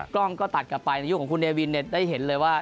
กล้องก็ตัดกลับไปในยุคของคุณเนวินได้เห็นเลยว่า